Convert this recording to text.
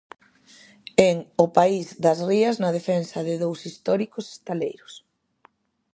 En 'O país das rías na defensa de dous históricos estaleiros'.